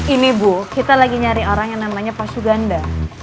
ini bu kita lagi nyari orang yang namanya pasuganda